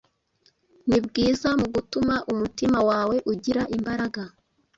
ni bwiza mu gutuma umutima wawe ugira imbaraga